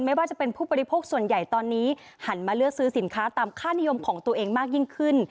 ไม่ว่าจะเป็นผู้บริโภคส่วนใหญ่ตอนนี้หันมาเลือกซื้อสินค้าตามค่านิยมของตัวเองมากยิ่งขึ้น